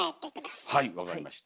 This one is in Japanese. はいわかりました。